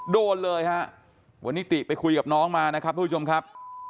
โดนเลยฮะวันนี้ติไปคุยกับน้องมานะครับทุกผู้ชมครับ